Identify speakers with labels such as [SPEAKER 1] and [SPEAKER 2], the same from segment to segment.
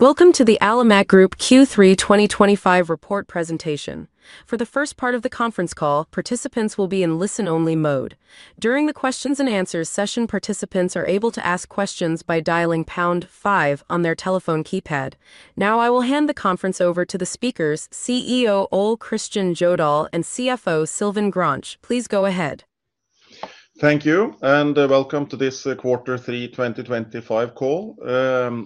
[SPEAKER 1] Welcome to the Alimak Group Q3 2025 report presentation. For the first part of the conference call, participants will be in listen-only mode. During the questions-and-answers session, participants are able to ask questions by dialing pound five on their telephone keypad. Now, I will hand the conference over to the speakers, CEO, Ole Kristian Jødahl and CFO, Sylvain Grange. Please go ahead.
[SPEAKER 2] Thank you, and welcome to this Q3 2025 call.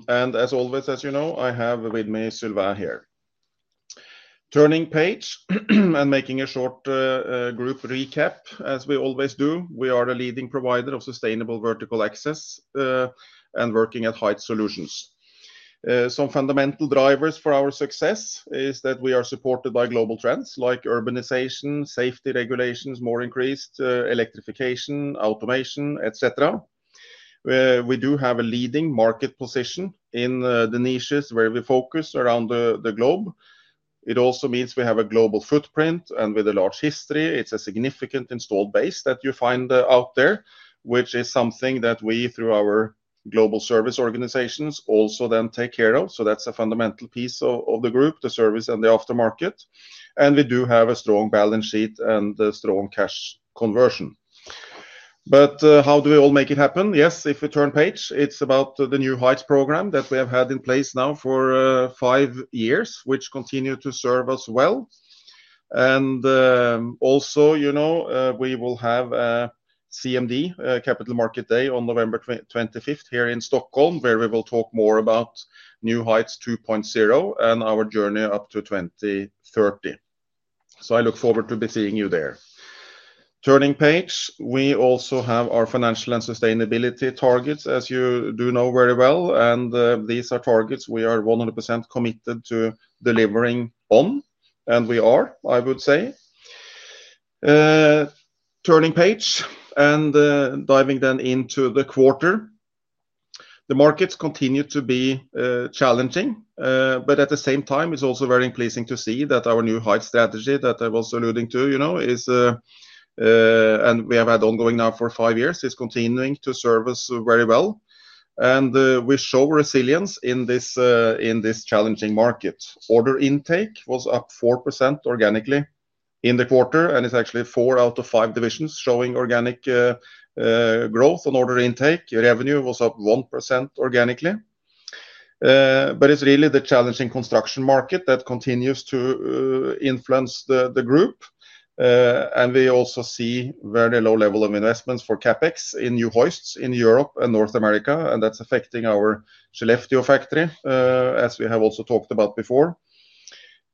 [SPEAKER 2] As always, as you know, I have with me Sylvain here. Turning page and making a short group recap, as we always do. We are the leading provider of sustainable vertical access and working at height solutions. Some fundamental drivers for our success are that we are supported by global trends like urbanization, safety regulations, more increased electrification, automation, etc. We do have a leading market position in the niches where we focus around the globe. It also means we have a global footprint and with a large history. It's a significant installed base that you find out there, which is something that we, through our global service organizations, also then take care of. That's a fundamental piece of the group: the service and the aftermarket. We do have a strong balance sheet and a strong cash conversion. How do we all make it happen? If we turn page, it's about the New Heights program that we have had in place now for 5 years, which continues to serve us well. Also, you know, we will have a CMD, Capital Market Day, on November 25th here in Stockholm, where we will talk more about New Heights 2.0 and our journey up to 2030. I look forward to seeing you there. Turning page, we also have our financial and sustainability targets, as you do know very well. These are targets we are 100% committed to delivering on. We are, I would say. Turning page and diving then into the quarter. The markets continue to be challenging, but at the same time, it's also very pleasing to see that our New Heights strategy that I was alluding to, you know, is, and we have had ongoing now for 5 years, is continuing to serve us very well. We show resilience in this challenging market. Order intake was up 4% organically in the quarter, and it's actually four out of five divisions showing organic growth on order intake. Revenue was up 1% organically. It's really the challenging construction market that continues to influence the group. We also see a very low level of investments for CapEx in new hoists in Europe and North America, and that's affecting our Skellefteå factory, as we have also talked about before.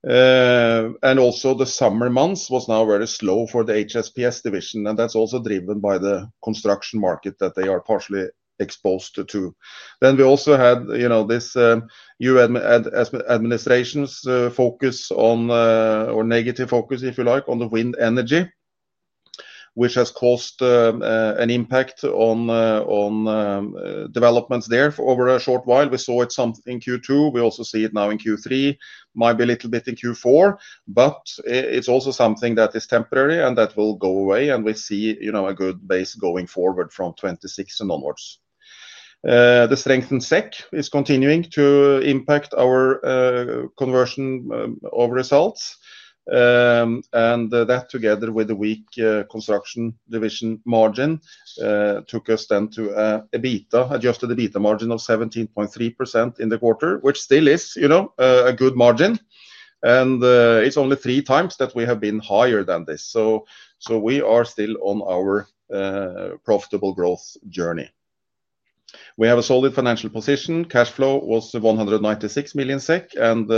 [SPEAKER 2] Also, the summer months were now very slow for the HSPS division, and that's also driven by the construction market that they are partially exposed to. We also had this new administration's focus on, or negative focus, if you like, on the wind energy, which has caused an impact on developments there for over a short while. We saw it some in Q2. We also see it now in Q3, might be a little bit in Q4, but it's also something that is temporary and that will go away. We see a good base going forward from 2026 and onwards. The strengthened SEK is continuing to impact our conversion of results. That, together with the weak construction division margin, took us then to an adjusted EBITDA margin of 17.3% in the quarter, which still is a good margin. It's only 3x that we have been higher than this. We are still on our profitable growth journey. We have a solid financial position. Cash flow was 196 million SEK, and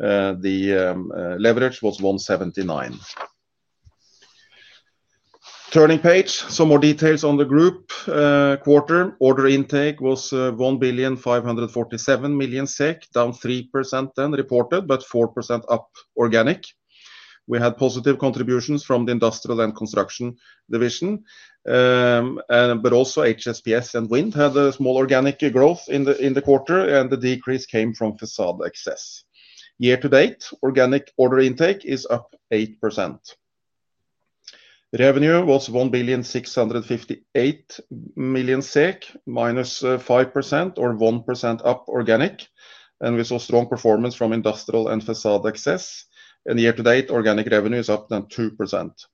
[SPEAKER 2] the leverage was 1.79 million. Turning page, some more details on the group quarter. Order intake was 1,547 million SEK, down 3% reported, but 4% up organic. We had positive contributions from the industrial and construction division, but also HSPS and wind had a small organic growth in the quarter, and the decrease came from facade access. Year-to-date, organic order intake is up 8%. Revenue was 1,658 million SEK, -5% or 1% up organic. We saw strong performance from industrial and facade access. Year-to-date, organic revenue is up 2%.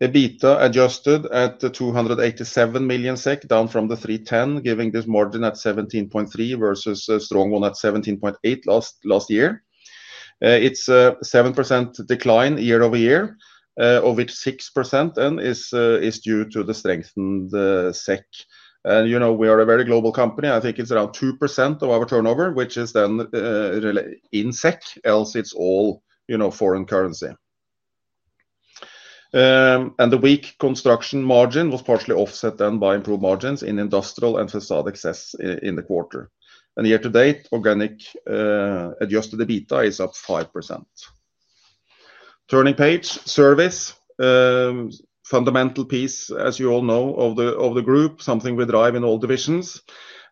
[SPEAKER 2] Adjusted EBITDA at 287 million SEK, down from the 310, giving this margin at 17.3% versus a strong one at 17.8% last year. It's a 7% decline year-over-year, of which 6% is due to the strengthened SEK. We are a very global company. I think it's around 2% of our turnover, which is then in SEK, else it's all foreign currency. The weak construction margin was partially offset by improved margins in industrial and facade access in the quarter. Year-to-date, organic adjusted EBITDA is up 5%. Turning page, service is a fundamental piece, as you all know, of the group, something we drive in all divisions.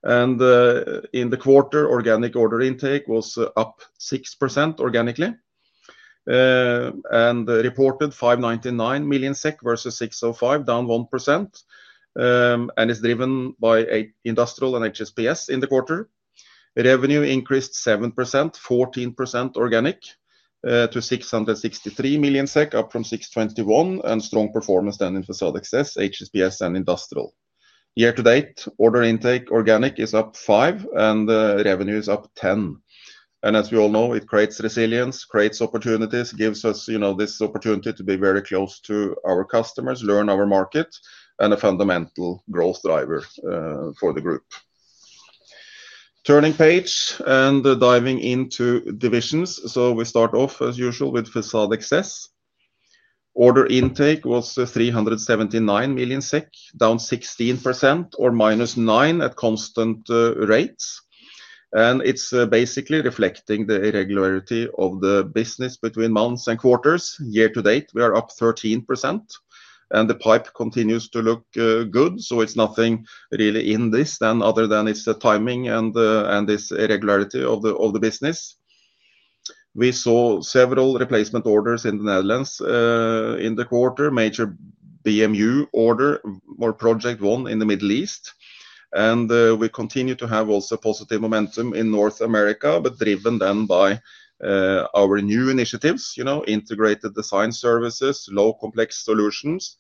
[SPEAKER 2] In the quarter, organic order intake was up 6% organically and reported 599 million SEK versus 605, down 1%. It's driven by industrial and HSPS in the quarter. Revenue increased 7%, 14% organic to 663 million SEK, up from 621 million. Strong performance then in facade access, HSPS, and industrial. Year-to-date, order intake organic is up 5% and revenue is up 10%. It creates resilience, creates opportunities, gives us this opportunity to be very close to our customers, learn our market, and a fundamental growth driver for the group. Turning page and diving into divisions. We start off, as usual, with Facade Access. Order intake was 379 million SEK, down 16% or -9% at constant rates. It is basically reflecting the irregularity of the business between months and quarters. Year-to-date, we are up 13%, and the pipe continues to look good. There is nothing really in this other than the timing and this irregularity of the business. We saw several replacement orders in the Netherlands in the quarter, a major BMU order or project won in the Middle East. We continue to have also positive momentum in North America, driven by our new initiatives, integrated design services, low complex solutions,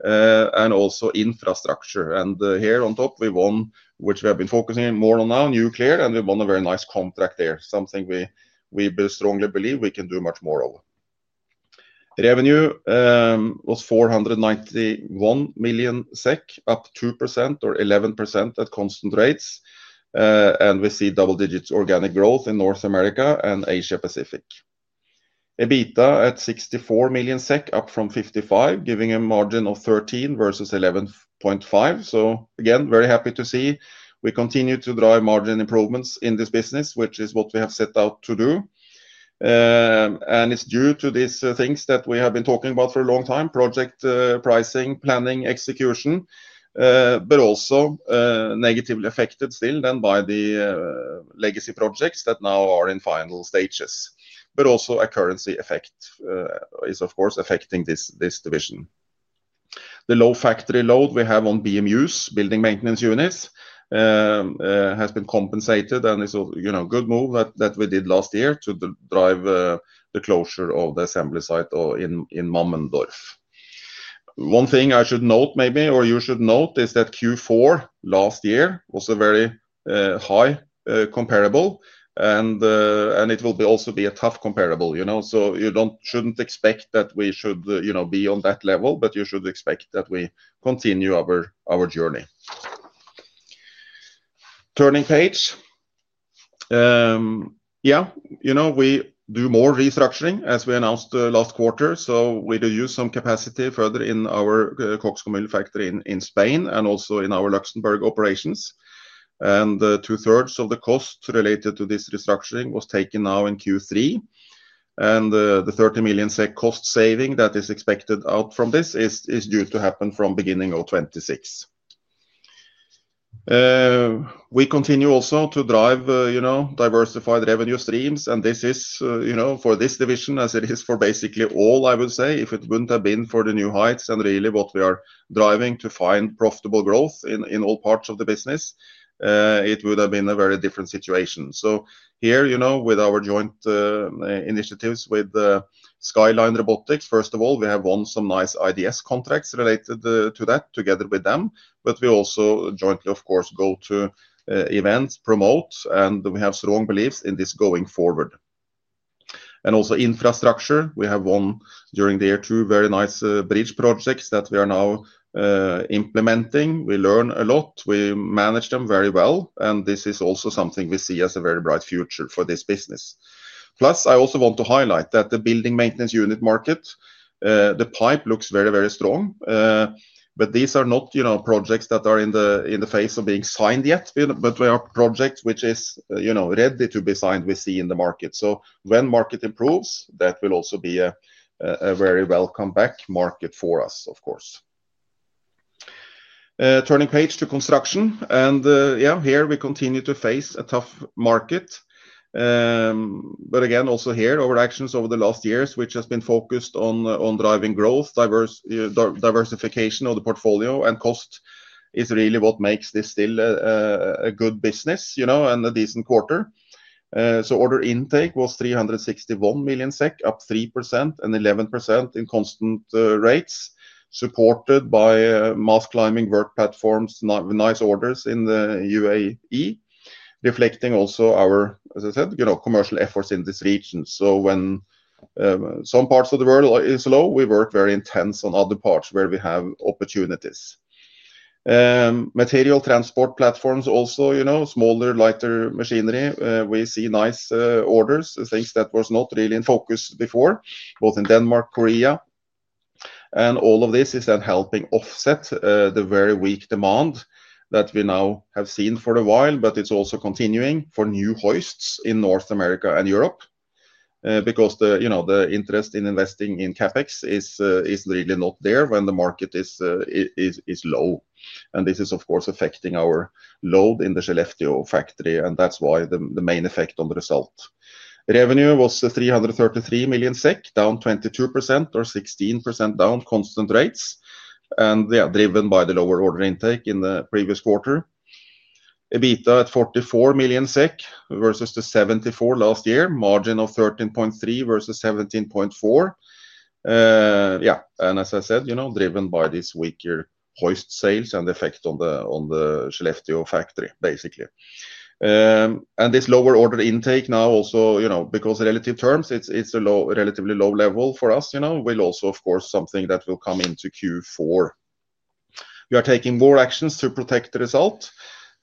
[SPEAKER 2] and also infrastructure. On top of that, we won, which we have been focusing more on now, nuclear, and we won a very nice contract there, something we strongly believe we can do much more of. Revenue was 491 million SEK, up 2% or 11% at constant rates. We see double-digit organic growth in North America and Asia-Pacific. EBITDA at 64 million SEK, up from 55 million, giving a margin of 13% versus 11.5%. Very happy to see we continue to drive margin improvements in this business, which is what we have set out to do. It is due to these things that we have been talking about for a long time: project pricing, planning, execution, but also negatively affected still by the legacy projects that now are in final stages. A currency effect is, of course, affecting this division. The low factory load we have on BMUs, building maintenance units, has been compensated and is a good move that we did last year to drive the closure of the assembly site in Mammendorf. One thing I should note, or you should note, is that Q4 last year was a very high comparable. It will also be a tough comparable, so you should not expect that we should be on that level, but you should expect that we continue our journey. Turning page. We do more restructuring as we announced last quarter. We do use some capacity further in our CoxGomyl factory in Spain and also in our Luxembourg operations. Two-thirds of the cost related to this restructuring was taken now in Q3. The 30 million SEK cost saving that is expected out from this is due to happen from the beginning of 2026. We continue also to drive, you know, diversified revenue streams. This is, you know, for this division as it is for basically all, I would say, if it wouldn't have been for the New Heights and really what we are driving to find profitable growth in all parts of the business, it would have been a very different situation. Here, you know, with our joint initiatives with Skyline Robotics, first of all, we have won some nice IDS contracts related to that together with them. We also jointly, of course, go to events, promote, and we have strong beliefs in this going forward. Also, infrastructure, we have won during the year two very nice bridge projects that we are now implementing. We learn a lot. We manage them very well. This is also something we see as a very bright future for this business. Plus, I also want to highlight that the building maintenance unit market, the pipe looks very, very strong. These are not, you know, projects that are in the phase of being signed yet. We have projects which are ready to be signed, we see in the market. When the market improves, that will also be a very welcome back market for us, of course. Turning page to construction. Here we continue to face a tough market. Again, also here, our actions over the last years, which have been focused on driving growth, diversification of the portfolio, and cost, is really what makes this still a good business, you know, and a decent quarter. Order intake was 361 million SEK, up 3% and 11% in constant rates, supported by mass climbing work platforms, nice orders in the UAE, reflecting also our, as I said, commercial efforts in this region. When some parts of the world are slow, we work very intense on other parts where we have opportunities. Material transport platforms also, you know, smaller, lighter machinery. We see nice orders, things that were not really in focus before, both in Denmark, Korea. All of this is then helping offset the very weak demand that we now have seen for a while, but it's also continuing for new hoists in North America and Europe because the interest in investing in CapEx is really not there when the market is low. This is, of course, affecting our load in the Skellefteå factory. That's why the main effect on the result. Revenue was 333 million SEK, down 22% or 16% down constant rates. Driven by the lower order intake in the previous quarter. EBITDA at 44 million SEK versus 74 million last year, margin of 13.3% versus 17.4%. As I said, driven by these weaker hoist sales and the effect on the Skellefteå factory, basically. This lower order intake now also, in relative terms, is a relatively low level for us and will also, of course, be something that will come into Q4. We are taking more actions to protect the result,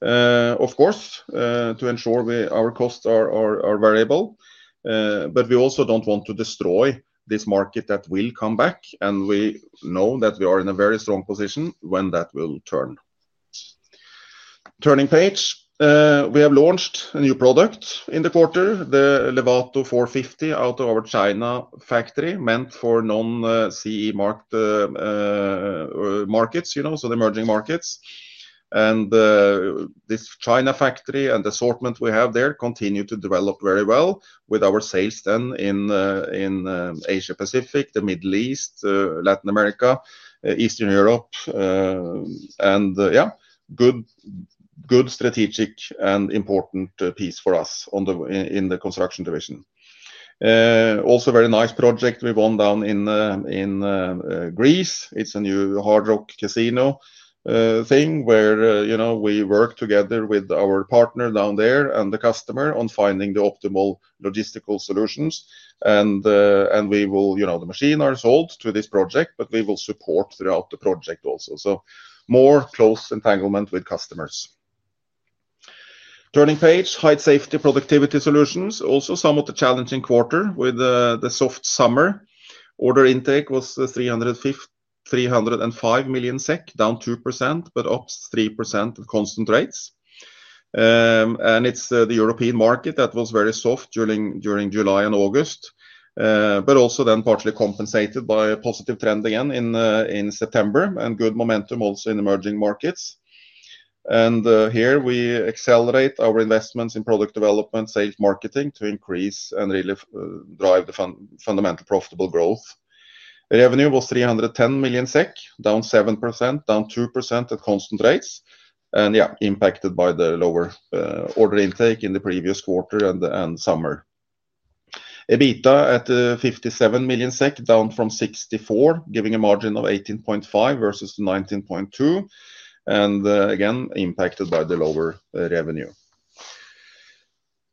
[SPEAKER 2] of course, to ensure our costs are variable. We also don't want to destroy this market that will come back. We know that we are in a very strong position when that will turn. Turning page. We have launched a new product in the quarter, the Levato 450 out of our China factory, meant for non-CE marked markets, so the emerging markets. This China factory and the assortment we have there continue to develop very well with our sales in Asia-Pacific, the Middle East, Latin America, and Eastern Europe. A good strategic and important piece for us in the construction division. Also, a very nice project we won down in Greece. It's a new Hard Rock Casino project where we work together with our partner down there and the customer on finding the optimal logistical solutions. The machines are sold to this project, but we will support throughout the project also. More close entanglement with customers. Turning page. Height Safety & Productivity Solutions, also somewhat a challenging quarter with the soft summer. Order intake was 305 million SEK, down 2%, but up 3% at constant rates. The European market was very soft during July and August, but also then partially compensated by a positive trend again in September and good momentum also in emerging markets. Here we accelerate our investments in product development, sales, and marketing to increase and really drive the fundamental profitable growth. Revenue was 310 million SEK, down 7%, down 2% at constant rates. Impacted by the lower order intake in the previous quarter and summer. EBITDA at 57 million SEK, down from 64 million, giving a margin of 18.5% versus 19.2%. Again, impacted by the lower revenue.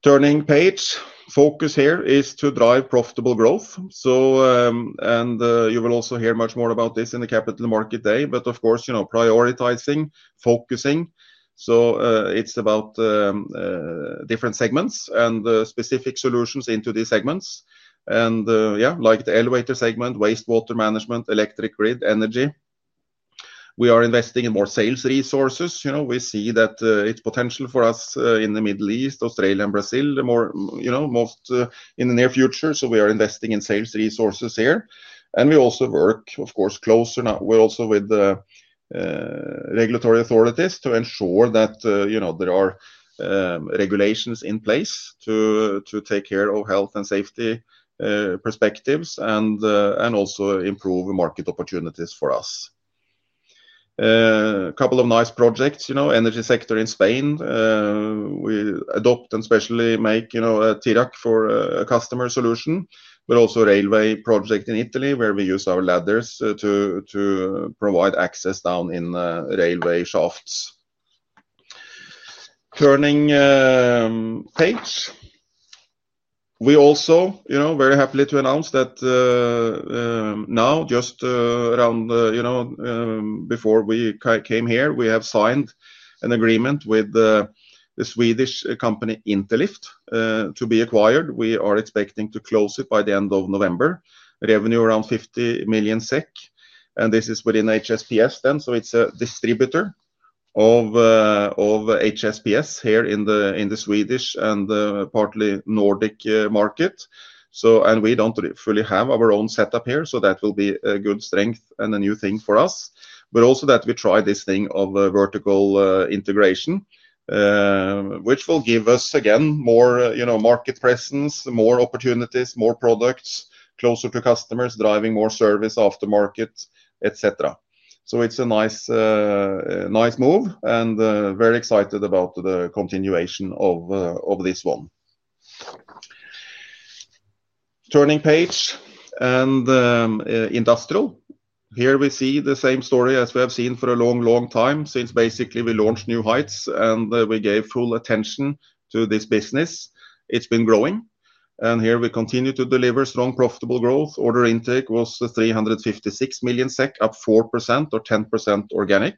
[SPEAKER 2] Turning page. Focus here is to drive profitable growth. You will also hear much more about this in the Capital Market Day, prioritizing and focusing. It's about different segments and specific solutions into these segments. Yeah, like the elevator segment, wastewater management, electric grid energy. We are investing in more sales resources. You know, we see that it's potential for us in the Middle East, Australia, and Brazil, the more, you know, most in the near future. We are investing in sales resources here. We also work, of course, closer now also with the regulatory authorities to ensure that, you know, there are regulations in place to take care of health and safety perspectives and also improve market opportunities for us. A couple of nice projects, you know, Energy sector in Spain. We adopt and especially make, you know, a Tirac for a customer solution, but also a Railway project in Italy where we use our ladders to provide access down in railway shafts. Turning page. We also, you know, very happy to announce that now just around, you know, before we came here, we have signed an agreement with the Swedish company Interlift to be acquired. We are expecting to close it by the end of November. Revenue around 50 million SEK. This is within HSPS then. It's a distributor of HSPS here in the Swedish and partly Nordic market. We don't fully have our own setup here. That will be a good strength and a new thing for us. Also that we try this thing of vertical integration, which will give us again more, you know, market presence, more opportunities, more products, closer to customers, driving more service aftermarket, etc. It's a nice move and very excited about the continuation of this one. Turning page and industrial. Here we see the same story as we have seen for a long, long time since basically we launched New Heights and we gave full attention to this business. It's been growing. Here we continue to deliver strong profitable growth. Order intake was 356 million SEK, up 4% or 10% organic.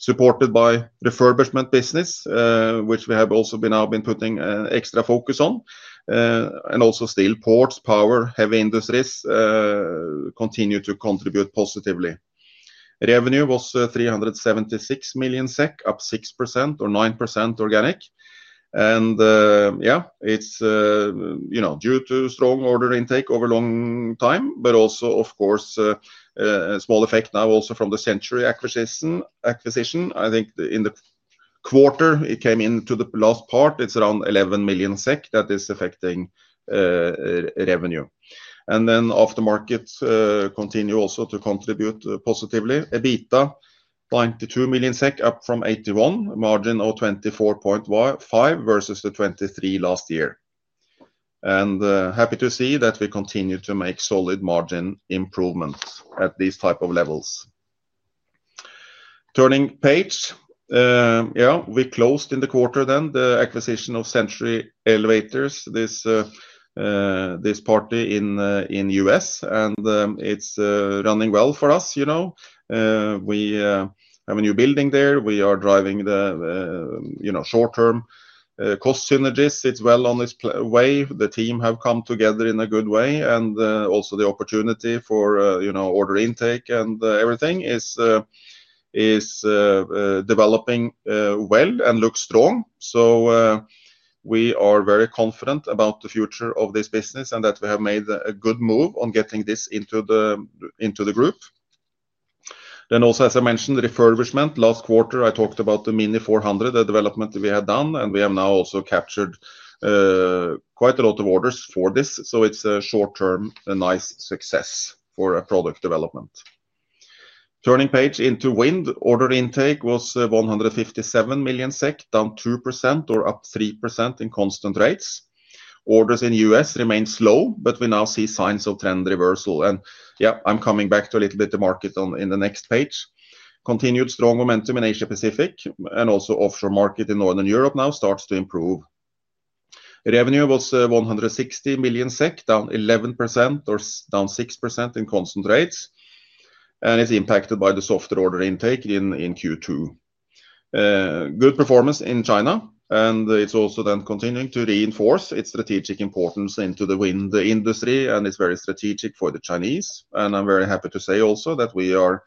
[SPEAKER 2] Supported by refurbishment business, which we have also now been putting extra focus on. Also still ports, power, heavy industries continue to contribute positively. Revenue was 376 million SEK, up 6% or 9% organic. It's, you know, due to strong order intake over a long time, but also, of course, a small effect now also from the Century acquisition. I think in the quarter it came into the last part, it's around 11 million SEK that is affecting revenue. Aftermarket continue also to contribute positively. EBITDA 92 million SEK, up from 81 million, margin of 24.5% versus the 23% last year. Happy to see that we continue to make solid margin improvements at these types of levels. Turning page. We closed in the quarter the acquisition of Century Elevators, this party in the U.S., and it's running well for us, you know. We have a new building there. We are driving the, you know, short-term cost synergies. It's well on its way. The team have come together in a good way. Also, the opportunity for, you know, order intake and everything is developing well and looks strong. We are very confident about the future of this business and that we have made a good move on getting this into the group. As I mentioned, refurbishment last quarter, I talked about the Mini 400, the development that we had done. We have now also captured quite a lot of orders for this, so it's a short-term, a nice success for product development. Turning page into wind. Order intake was 157 million SEK, down 2% or up 3% in constant rates. Orders in the U.S. remain slow, but we now see signs of trend reversal. I'm coming back to a little bit the market on the next page. Continued strong momentum in Asia-Pacific and also offshore market in Northern Europe now starts to improve. Revenue was 160 million SEK, down 11% or down 6% in constant rates, and it's impacted by the softer order intake in Q2. Good performance in China, and it's also then continuing to reinforce its strategic importance into the wind industry. It's very strategic for the Chinese, and I'm very happy to say also that we are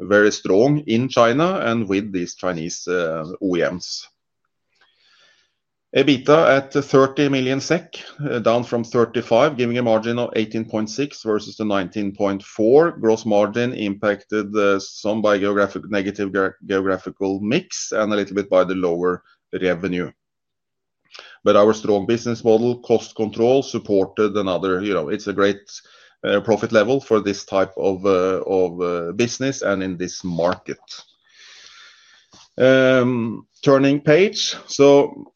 [SPEAKER 2] very strong in China and with these Chinese OEMs. EBITDA at 30 million SEK, down from 35 million, giving a margin of 18.6% versus the 19.4% gross margin, impacted some by negative geographical mix and a little bit by the lower revenue. Our strong business model, cost control, supported another, you know, it's a great profit level for this type of business and in this market. Turning page.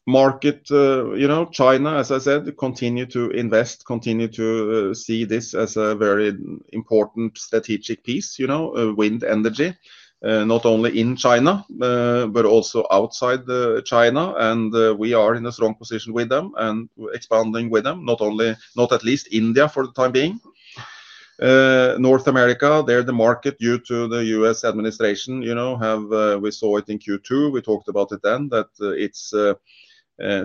[SPEAKER 2] Market, you know, China, as I said, continue to invest, continue to see this as a very important strategic piece, you know, wind energy, not only in China, but also outside China. We are in a strong position with them and expanding with them, not only, not at least India for the time being. North America, the market due to the U.S. administration, you know, we saw it in Q2. We talked about it then that it's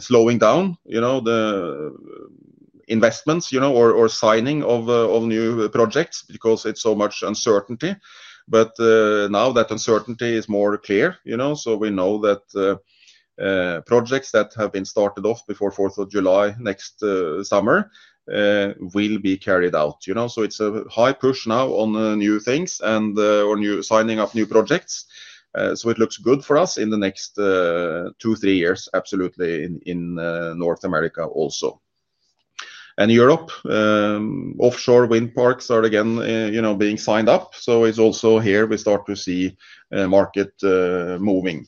[SPEAKER 2] slowing down, you know, the investments, you know, or signing of new projects because it's so much uncertainty. Now that uncertainty is more clear, you know, we know that projects that have been started off before 4th July, next summer will be carried out, you know. It's a high push now on new things and signing up new projects. It looks good for us in the next 2, 3 years, absolutely in North America also. In Europe, offshore wind parks are again, you know, being signed up. It's also here we start to see market moving.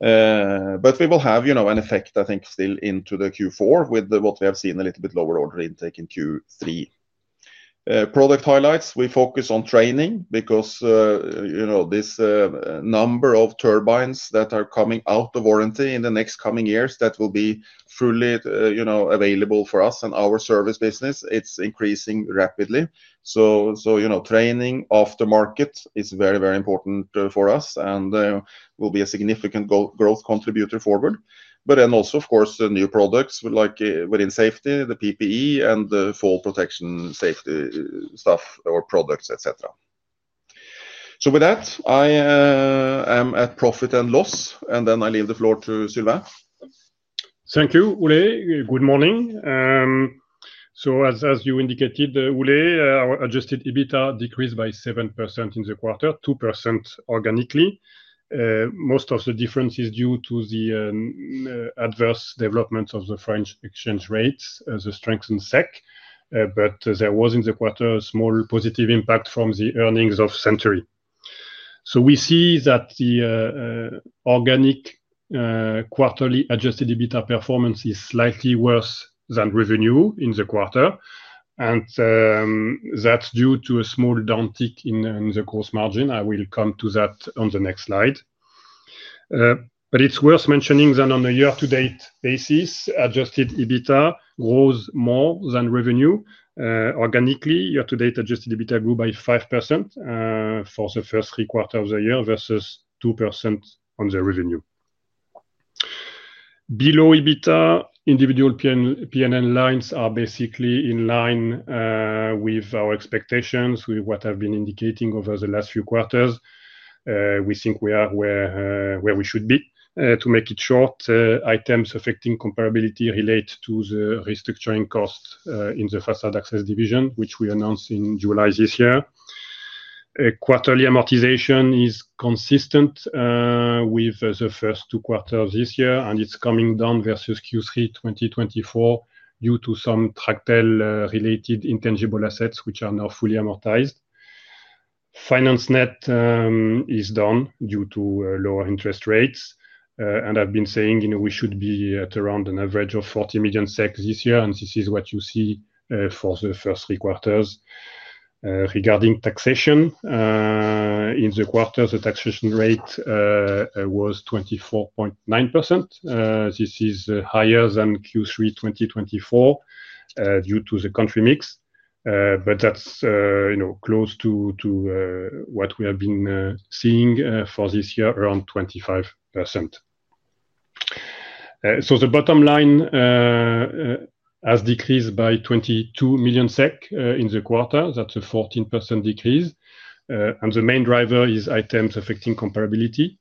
[SPEAKER 2] We will have, you know, an effect, I think, still into Q4 with what we have seen, a little bit lower order intake in Q3. Product highlights, we focus on training because, you know, this number of turbines that are coming out of warranty in the next coming years that will be fully, you know, available for us and our service business, it's increasing rapidly. Training aftermarket is very, very important for us and will be a significant growth contributor forward. Then also, of course, the new products like within safety, the PPE, and the fall protection safety products, etc. With that, I am at profit and loss, and then I leave the floor to Sylvain.
[SPEAKER 3] Thank you, Ole. Good morning. As you indicated, Ole, our adjusted EBITDA decreased by 7% in the quarter, 2% organically. Most of the difference is due to the adverse developments of the French exchange rates, the strengthened SEK, but there was in the quarter a small positive impact from the earnings of Century. We see that the organic quarterly adjusted EBITDA performance is slightly worse than revenue in the quarter, and that's due to a small downtick in the gross margin. I will come to that on the next slide. It's worth mentioning that on a year-to-date basis, adjusted EBITDA grows more than revenue. Organically, year-to-date adjusted EBITDA grew by 5% for the first three quarters of the year versus 2% on the revenue. Below EBITDA, individual P&L lines are basically in line with our expectations, with what I've been indicating over the last few quarters. We think we are where we should be. To make it short, items affecting comparability relate to the restructuring cost in the facade access division, which we announced in July this year. Quarterly amortization is consistent with the first two quarters of this year, and it's coming down versus Q3 2024 due to some tractile-related intangible assets which are now fully amortized. Finance net is down due to lower interest rates. I've been saying, you know, we should be at around an average of 40 million this year, and this is what you see for the first three quarters. Regarding taxation, in the quarter, the taxation rate was 24.9%. This is higher than Q3 2024 due to the country mix. That's close to what we have been seeing for this year, around 25%. The bottom line has decreased by 22 million SEK in the quarter. That's a 14% decrease, and the main driver is items affecting comparability.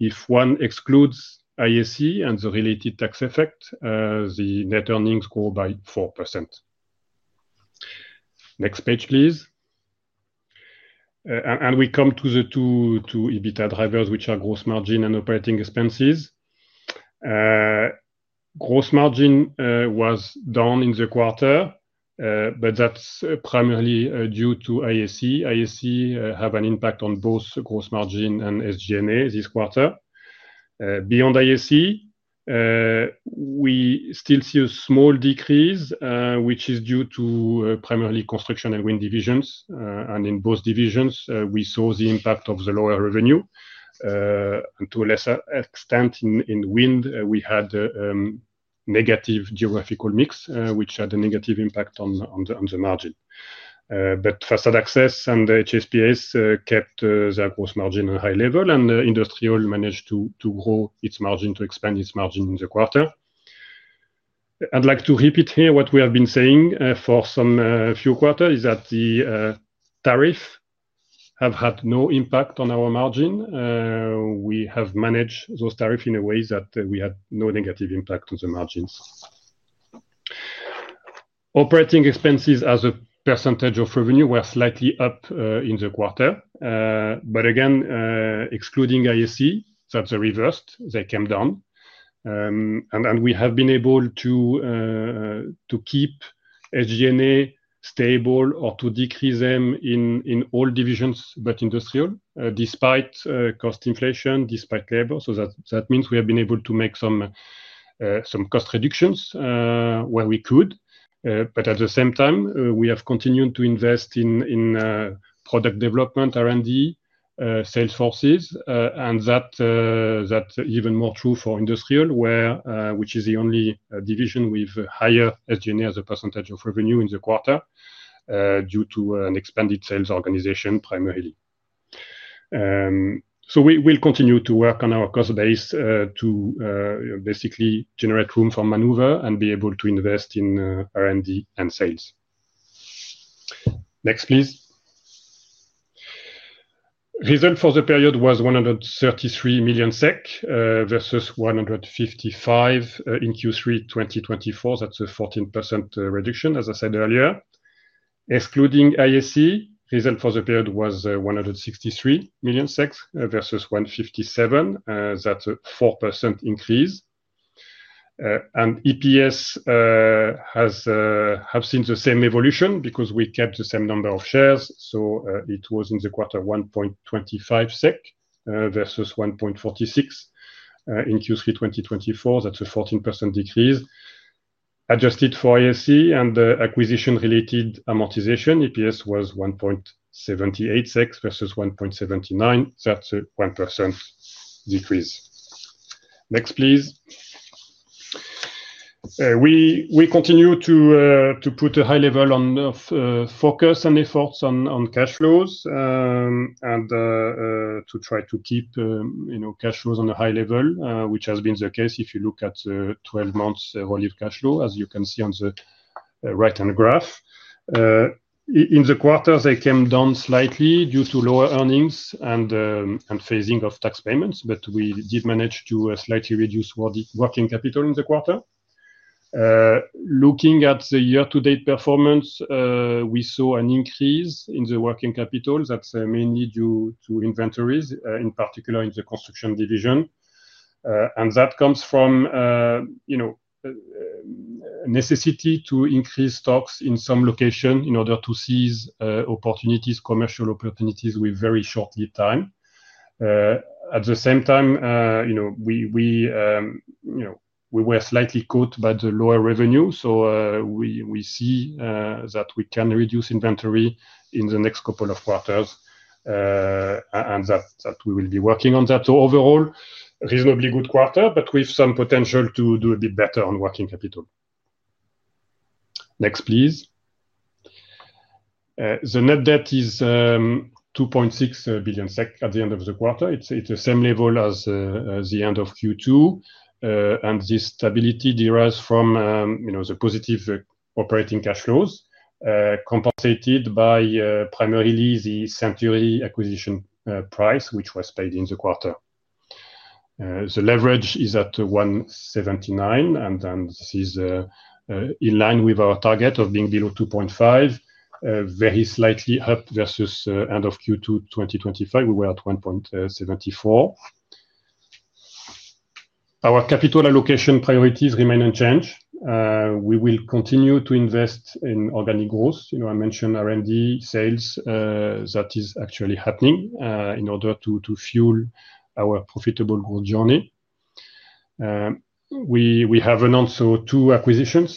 [SPEAKER 3] If one excludes IAC and the related tax effect, the net earnings grow by 4%. Next page, please. We come to the two EBITDA drivers, which are gross margin and operating expenses. Gross margin was down in the quarter, but that's primarily due to IAC. IAC has an impact on both gross margin and SG&A this quarter. Beyond IAC, we still see a small decrease, which is due to primarily construction and wind divisions. In both divisions, we saw the impact of the lower revenue, and to a lesser extent in wind, we had a negative geographical mix, which had a negative impact on the margin. Facade Access and HSPS kept their gross margin at a high level, and industrial managed to grow its margin, to expand its margin in the quarter. I'd like to repeat here what we have been saying for some few quarters, which is that the tariffs have had no impact on our margin. We have managed those tariffs in a way that we had no negative impact on the margins. Operating expenses as a percentage of revenue were slightly up in the quarter. Excluding IAC, that's a reverse. They came down. We have been able to keep SG&A stable or to decrease them in all divisions except industrial, despite cost inflation, despite labor. That means we have been able to make some cost reductions where we could. At the same time, we have continued to invest in product development, R&D, and sales forces. That's even more true for industrial, which is the only division with higher SG&A as a percentage of revenue in the quarter due to an expanded sales organization primarily. We will continue to work on our cost base to basically generate room for maneuver and be able to invest in R&D and sales. Next, please. Result for the period was 133 million SEK versus 155 million in Q3 2024. That's a 14% reduction, as I said earlier. Excluding IAC, result for the period was 163 million versus 157 million. That's a 4% increase. EPS has seen the same evolution because we kept the same number of shares. It was in the quarter 1.25 SEK versus 1.46 in Q3 2024. That's a 14% decrease. Adjusted for IAC and the acquisition-related amortization, EPS was 1.78 SEK versus 1.79. That's a 1% decrease. Next, please. We continue to put a high level of focus and efforts on cash flows and to try to keep cash flows on a high level, which has been the case if you look at 12 months rolling cash flow, as you can see on the right-hand graph. In the quarter, they came down slightly due to lower earnings and phasing of tax payments, but we did manage to slightly reduce working capital in the quarter. Looking at the year-to-date performance, we saw an increase in the working capital. That's mainly due to inventories, in particular in the construction division. That comes from a necessity to increase stocks in some locations in order to seize commercial opportunities with very short lead time. At the same time, we were slightly caught by the lower revenue. We see that we can reduce inventory in the next couple of quarters, and we will be working on that. Overall, reasonably good quarter, but with some potential to do a bit better on working capital. Next, please. The net debt is 2.6 billion SEK at the end of the quarter. It's the same level as the end of Q2. This stability derives from the positive operating cash flows compensated by primarily the Century acquisition price, which was paid in the quarter. The leverage is at [1.79 billion] This is in line with our target of being below [2.5 billion] very slightly up versus end of Q2 2025, we were at [1.74 billion] Our capital allocation priorities remain unchanged. We will continue to invest in organic growth. I mentioned R&D sales that is actually happening in order to fuel our profitable growth journey. We have announced two acquisitions.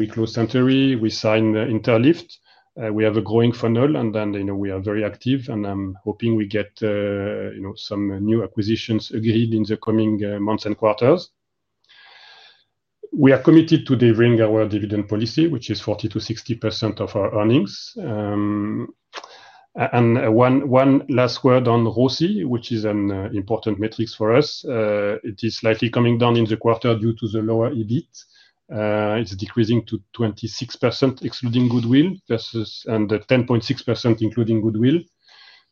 [SPEAKER 3] We closed Century. We signed Interlift. We have a growing funnel. We are very active. I'm hoping we get some new acquisitions agreed in the coming months and quarters. We are committed to delivering our dividend policy, which is 40%-60% of our earnings. One last word on ROCI, which is an important metric for us. It is slightly coming down in the quarter due to the lower EBIT. It's decreasing to 26% excluding goodwill versus 10.6% including goodwill,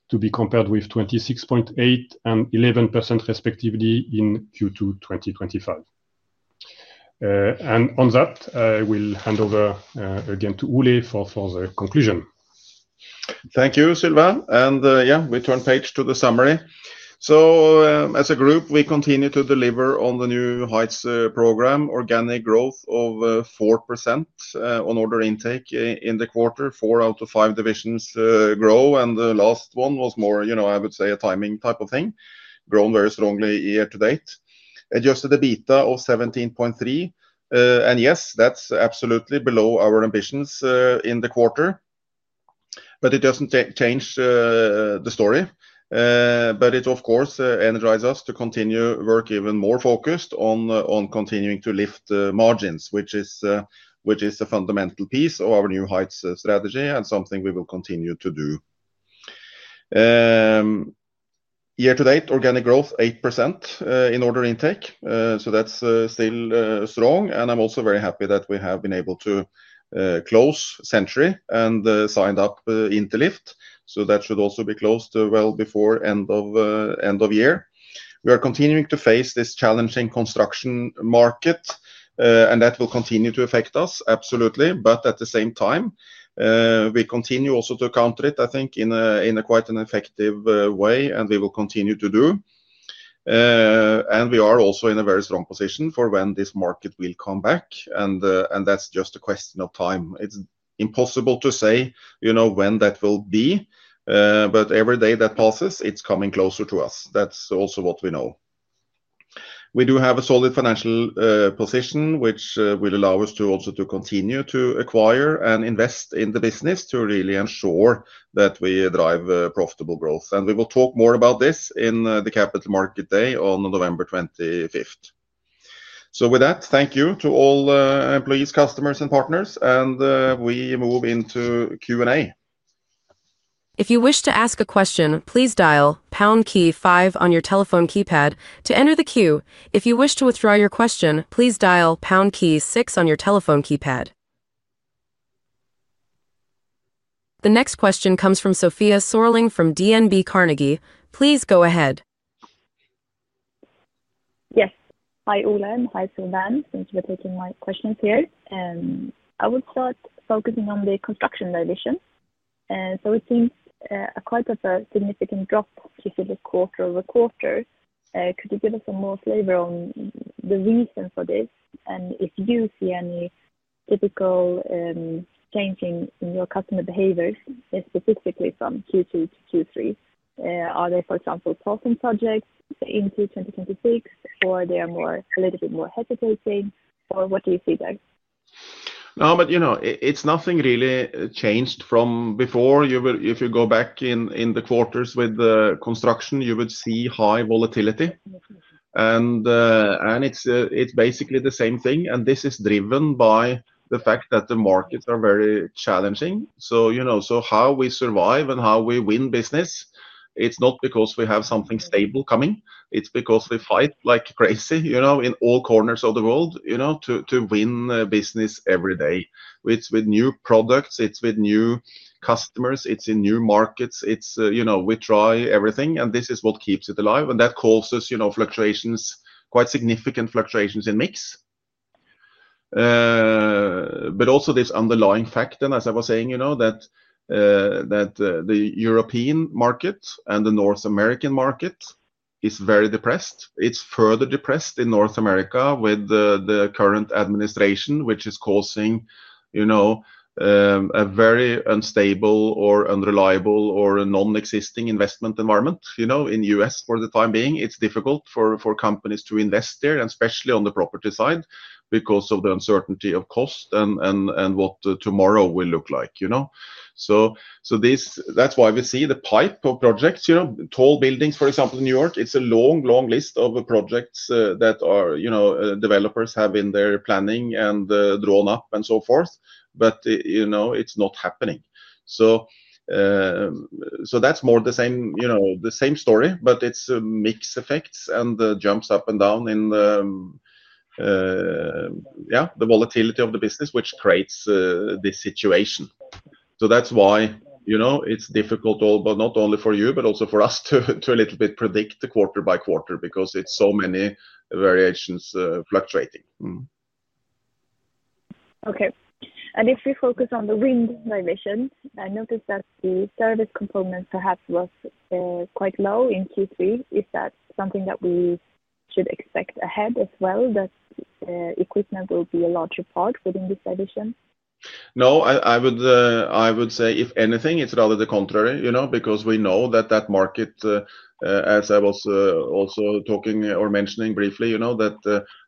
[SPEAKER 3] to be compared with 26.8% and 11% respectively in Q2 2025. On that, I will hand over again to Ole for the conclusion.
[SPEAKER 2] Thank you, Sylvain. We turn page to the summary. As a group, we continue to deliver on the New Heights program, organic growth of 4% on order intake in the quarter. Four out of five divisions grow, and the last one was more, you know, I would say a timing type of thing, grown very strongly Year-to-date. Adjusted EBITDA of [17.3%] Yes, that's absolutely below our ambitions in the quarter, but it doesn't change the story. It, of course, energizes us to continue work even more focused on continuing to lift margins, which is a fundamental piece of our New Heights strategy and something we will continue to do. Year-to-date, organic growth 8% in order intake, so that's still strong. I'm also very happy that we have been able to close Century and signed up Interlift. That should also be closed well before end of year. We are continuing to face this challenging construction market, and that will continue to affect us, absolutely. At the same time, we continue also to counter it, I think, in quite an effective way, and we will continue to do. We are also in a very strong position for when this market will come back. That's just a question of time. It's impossible to say, you know, when that will be, but every day that passes, it's coming closer to us. That's also what we know. We do have a solid financial position, which will allow us to also continue to acquire and invest in the business to really ensure that we drive profitable growth. We will talk more about this in the Capital Market Day on November 25th. With that, thank you to all employees, customers, and partners. We move into Q&A.
[SPEAKER 1] If you wish to ask a question, please dial pound key five on your telephone keypad to enter the queue. If you wish to withdraw your question, please dial pound key six on your telephone keypad. The next question comes from Sofia Sörling from DNB Carnegie. Please go ahead.
[SPEAKER 4] Yes. Hi, Ole. And hi, Sylvain, since we're taking live questions here. I would start focusing on the construction division. It seems quite a significant drop, specific quarter-over-quarter. Could you give us some more flavor on the reason for this? If you see any typical changing in your customer behaviors, specifically from Q2 to Q3, are they, for example, talking subjects into 2026, or are they a little bit more hesitating? What do you see there?
[SPEAKER 2] No, but you know, nothing really changed from before. If you go back in the quarters with the construction, you would see high volatility. It's basically the same thing. This is driven by the fact that the markets are very challenging. How we survive and how we win business, it's not because we have something stable coming. It's because we fight like crazy in all corners of the world to win business every day. It's with new products, with new customers, in new markets. We try everything. This is what keeps it alive, and that causes fluctuations, quite significant fluctuations in mix, but also this underlying fact. As I was saying, the European market and the North American market are very depressed. It's further depressed in North America with the current administration, which is causing a very unstable or unreliable or non-existing investment environment in the U.S. for the time being. It's difficult for companies to invest there, especially on the property side, because of the uncertainty of cost and what tomorrow will look like. That's why we see the pipe of projects, tall buildings, for example, in New York. It's a long, long list of projects that developers have in their planning and drawn up and so forth, but it's not happening. That's more the same story, but it's a mixed effect and jumps up and down in the volatility of the business, which creates this situation. That's why it's difficult, not only for you, but also for us to predict quarter by quarter because it's so many variations fluctuating.
[SPEAKER 4] Okay. If we focus on the wind division, I noticed that the service components perhaps were quite low in Q3. Is that something that we should expect ahead as well, that equipment will be a larger part within this division?
[SPEAKER 2] No, I would say, if anything, it's rather the contrary, you know, because we know that that market, as I was also mentioning briefly, you know, that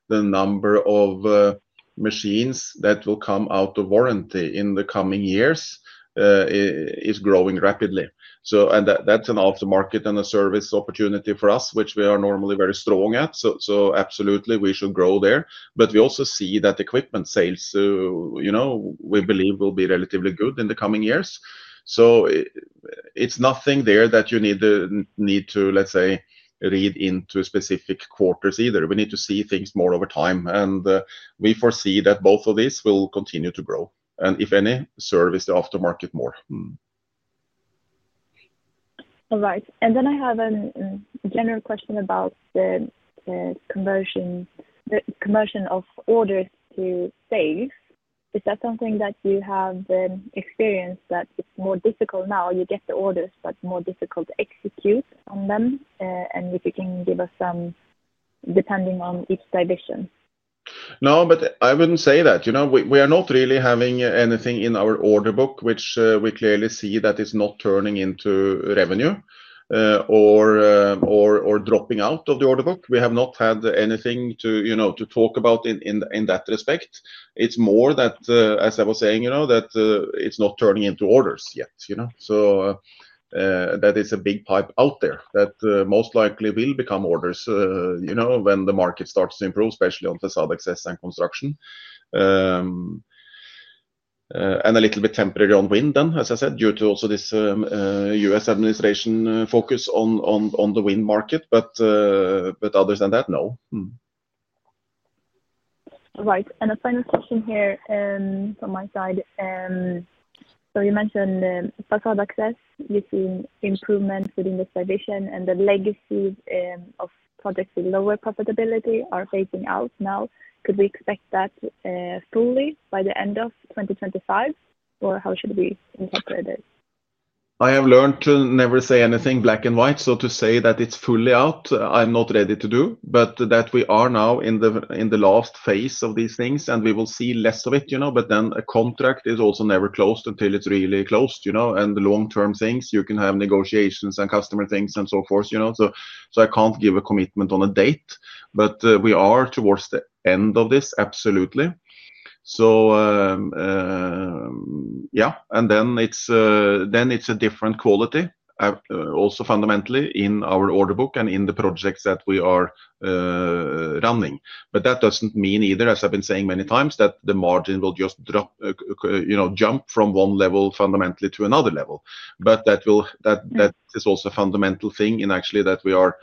[SPEAKER 2] the number of machines that will come out of warranty in the coming years is growing rapidly. That's an aftermarket and a service opportunity for us, which we are normally very strong at. Absolutely, we should grow there. We also see that equipment sales, you know, we believe will be relatively good in the coming years. It's nothing there that you need to, let's say, read into specific quarters either. We need to see things more over time. We foresee that both of these will continue to grow. If any, service the aftermarket more.
[SPEAKER 4] All right. I have a general question about the conversion of orders to save. Is that something that you have experienced, that it's more difficult now? You get the orders, but it's more difficult to execute on them. If you can give us some, depending on each division.
[SPEAKER 2] No, but I wouldn't say that. We are not really having anything in our order book which we clearly see that is not turning into revenue or dropping out of the order book. We have not had anything to talk about in that respect. It's more that, as I was saying, it's not turning into orders yet. That is a big pipe out there that most likely will become orders when the market starts to improve, especially on facade access and construction. A little bit temporary on wind then, as I said, due to also this U.S. administration focus on the wind market. Other than that, no.
[SPEAKER 4] All right. A final question here from my side. You mentioned facade access. You've seen improvements within this division, and the legacies of projects with lower profitability are phasing out now. Could we expect that fully by the end of 2025, or how should we interpret this?
[SPEAKER 2] I have learned to never say anything black and white. To say that it's fully out, I'm not ready to do, but that we are now in the last phase of these things, and we will see less of it, you know. A contract is also never closed until it's really closed, you know. The long-term things, you can have negotiations and customer things and so forth, you know. I can't give a commitment on a date, but we are towards the end of this, absolutely. It's a different quality, also fundamentally in our order book and in the projects that we are running. That doesn't mean either, as I've been saying many times, that the margin will just drop, you know, jump from one level fundamentally to another level. That is also a fundamental thing in actually that we are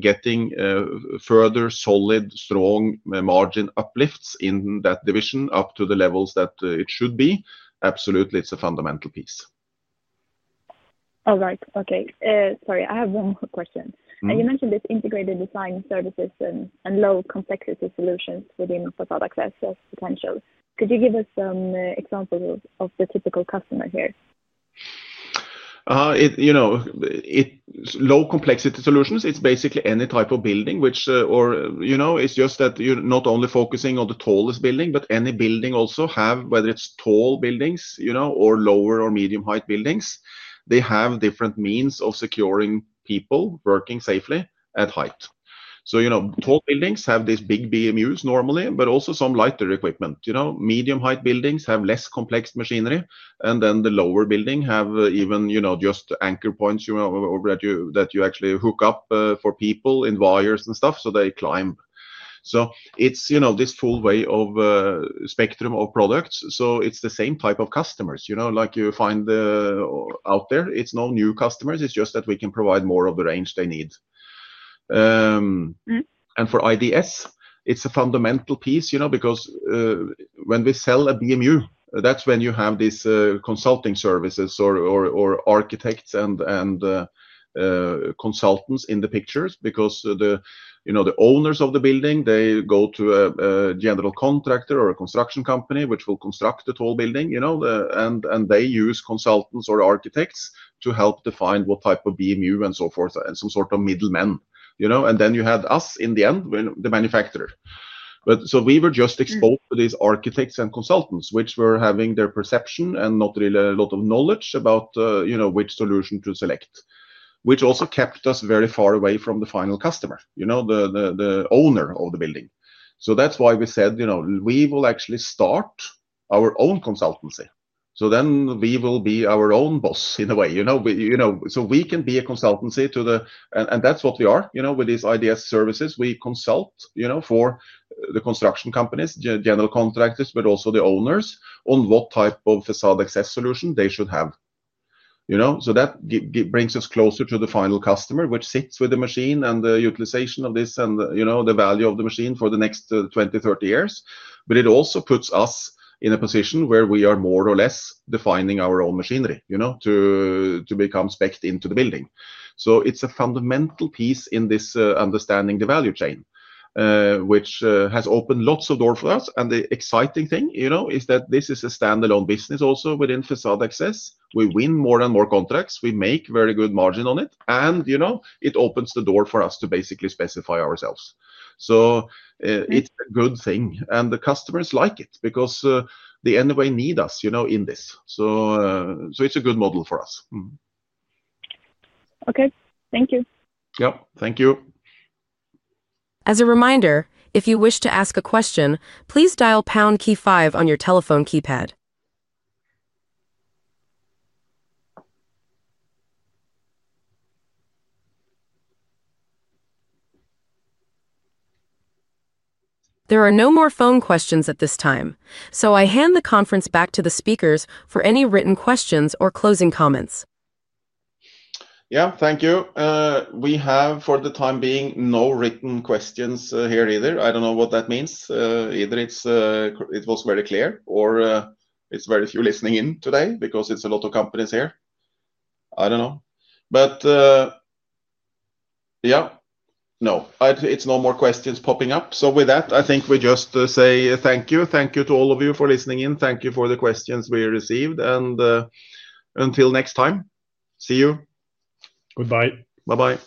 [SPEAKER 2] getting further solid, strong margin uplifts in that division up to the levels that it should be. Absolutely, it's a fundamental piece.
[SPEAKER 4] All right. Okay. Sorry, I have one quick question. You mentioned this integrated design services and low-complexity solutions within facade access as potential. Could you give us some examples of the typical customer here?
[SPEAKER 2] Low-complexity solutions, it's basically any type of building, which, you know, it's just that you're not only focusing on the tallest building, but any building also have, whether it's tall buildings, you know, or lower or medium-height buildings, they have different means of securing people working safely at height. Tall buildings have these big BMUs normally, but also some lighter equipment. Medium-height buildings have less complex machinery. The lower buildings have even, you know, just anchor points that you actually hook up for people in wires and stuff. They climb. It's this full way of spectrum of products. It's the same type of customers, you know, like you find out there. It's no new customers. It's just that we can provide more of the range they need. For IDS, it's a fundamental piece, you know, because when we sell a BMU, that's when you have these consulting services or architects and consultants in the pictures because the owners of the building, they go to a general contractor or a construction company, which will construct the tall building, and they use consultants or architects to help define what type of BMU and so forth and some sort of middlemen. Then you had us in the end, the manufacturer. We were just exposed to these architects and consultants, which were having their perception and not really a lot of knowledge about which solution to select, which also kept us very far away from the final customer, the owner of the building. That's why we said we will actually start our own consultancy. We will be our own boss in a way, so we can be a consultancy to the, and that's what we are, you know, with these IDS services. We consult for the construction companies, general contractors, but also the owners on what type of facade access solution they should have. That brings us closer to the final customer, which sits with the machine and the utilization of this and the value of the machine for the next 20, 30 years. It also puts us in a position where we are more or less defining our own machinery to become specced into the building. It's a fundamental piece in this understanding the value chain, which has opened lots of doors for us. The exciting thing is that this is a standalone business also within facade access. We win more and more contracts. We make very good margin on it, and it opens the door for us to basically specify ourselves. It's a good thing, and the customers like it because they anyway need us in this. It's a good model for us.
[SPEAKER 4] Okay, thank you.
[SPEAKER 2] Thank you.
[SPEAKER 1] As a reminder, if you wish to ask a question, please dial the pound key five on your telephone keypad. There are no more phone questions at this time. I hand the conference back to the speakers for any written questions or closing comments.
[SPEAKER 2] Thank you. We have, for the time being, no written questions here either. I don't know what that means. Either it was very clear or it's very few listening in today because it's a lot of companies here. I don't know. No, it's no more questions popping up. With that, I think we just say thank you. Thank you to all of you for listening in. Thank you for the questions we received. Until next time, see you.
[SPEAKER 3] Goodbye.
[SPEAKER 2] Bye-bye.